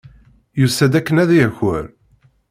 Yusa-d akken ad yaker.